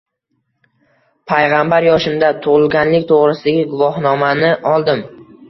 “Payg‘ambar yoshimda "Tug‘ilganlik to‘g‘risidagi guvohnoma"ni oldim”